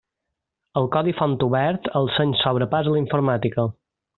El codi font obert: el seny s'obre pas a la informàtica.